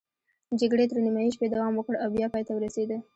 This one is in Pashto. جګړې تر نیمايي شپې دوام وکړ او بیا پای ته ورسېده.